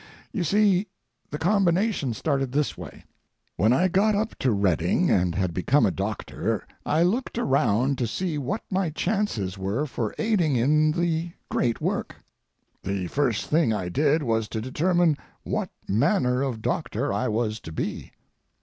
You see, the combination started this way. When I got up to Redding and had become a doctor, I looked around to see what my chances were for aiding in the great work. The first thing I did was to determine what manner of doctor I was to be.